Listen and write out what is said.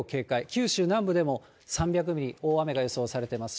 九州南部でも３００ミリ、大雨が予想されています。